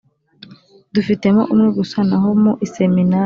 dufitemo umwe gusa naho mu i seminari